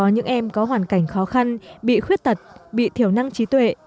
những em có hoàn cảnh khó khăn bị khuyết tật bị thiểu năng trí tuệ